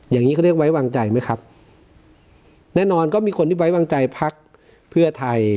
อย่างนี้เขาเรียกไว้วางใจไหมครับแน่นอนก็มีคนที่ไว้วางใจพักเพื่อไทย